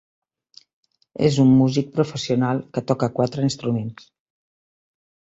És un músic professional, que toca quatre instruments.